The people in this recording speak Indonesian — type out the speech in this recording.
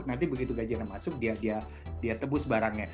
nanti begitu gajinya masuk dia tebus barangnya